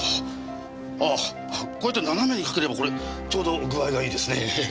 ああこうやって斜めに掛ければこれちょうど具合がいいですねぇ。